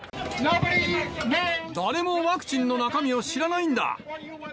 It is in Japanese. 誰もワクチンの中身を知らないんだ！